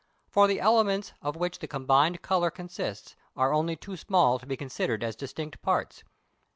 For the elements of which the combined colour consists are only too small to be considered as distinct parts.